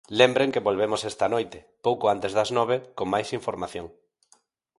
Lembren que volvemos esta noite, pouco antes das nove, con máis información.